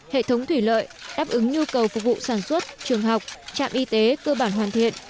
hệ thống thủy lợi đáp ứng nhu cầu phục vụ sản xuất trường học trạm y tế cơ bản hoàn thiện